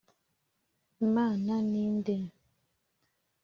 Imana ni nde?